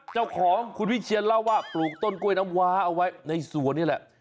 เจ้าของคุณวิเชียนเล่าว่าปลูกต้นกล้วยน้ำว้าเอาไว้ในสวนนี่แหละ